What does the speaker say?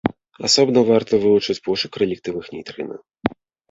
Асобна варта вылучыць пошук рэліктавых нейтрына.